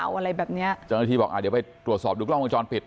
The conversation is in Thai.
อะไรแบบเนี้ยเจ้าหน้าที่บอกอ่าเดี๋ยวไปตรวจสอบดูกล้องวงจรปิด